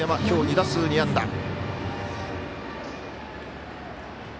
きょう２打数２安打。